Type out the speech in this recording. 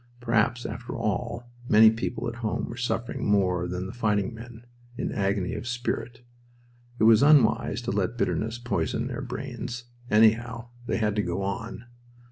Perhaps, after, all, many people at home were suffering more than the fighting men, in agony of spirit. It was unwise to let bitterness poison their brains. Anyhow, they had to go on.